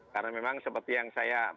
karena memang seperti yang saya